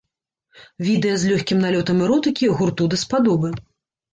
Відэа з лёгкім налётам эротыкі гурту даспадобы.